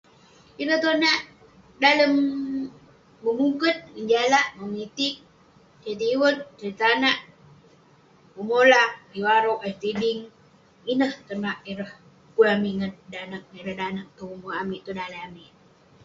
Ineh tonak dalem memuket, ngejalak, memitig, tai tiwet, tai tong tanak, memolah, ayuk arog, ayuk setiding. Inek tonak ireh ukun amik ngan ireh danag-ireh danag tong ume' amik, tong daleh amik.